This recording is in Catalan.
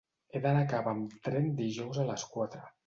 He d'anar a Cava amb tren dijous a les quatre.